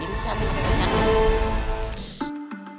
ini saatnya dia nangis